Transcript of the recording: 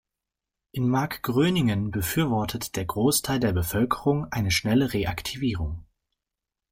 In Markgröningen befürwortet der Großteil der Bevölkerung eine schnelle Reaktivierung.